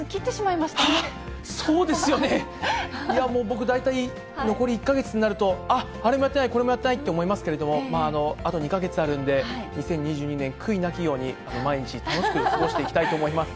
いや、もう、僕、大体、残り１か月になると、あっ、あれもやってない、これもやってないって思いますけれども、あと２か月あるんで、２０２２年、悔いなきように毎日楽しく過ごしていきたいと思います。